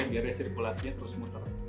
biar dia sirkulasinya terus muter